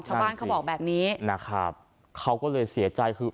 เขาบอกแบบนี้นะครับเขาก็เลยเสียใจคือ